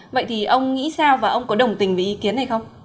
vậy thì ông nghĩ sao và ông có đồng tình với ý kiến này không